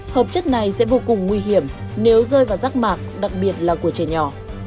hợp chất này sẽ vô cùng nguy hiểm nếu rơi vào rác mạc đặc biệt là của trẻ nhỏ